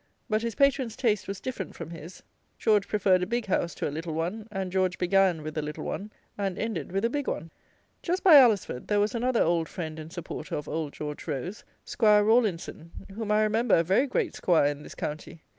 But his patron's taste was different from his. George preferred a big house to a little one; and George began with a little one, and ended with a big one. Just by Alresford, there was another old friend and supporter of Old George Rose, 'Squire Rawlinson, whom I remember a very great 'squire in this county.